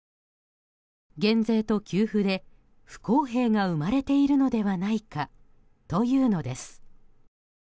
減税と給付で不公平が生まれているのではないかというのです。